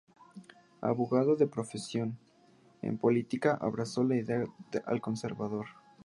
Abogado de profesión, en política abrazo el ideal conservador.